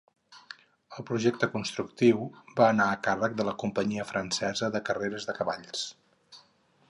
El projecte constructiu va anar a càrrec de la Companyia Francesa de Carreres de Cavalls.